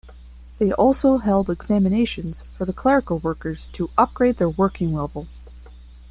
They also held examinations for the clerical workers to upgrade their working level.